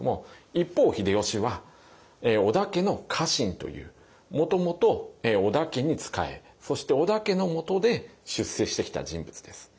一方秀吉は織田家の家臣というもともと織田家に仕えそして織田家のもとで出世してきた人物です。